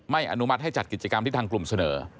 อนุมัติให้จัดกิจกรรมที่ทางกลุ่มเสนอ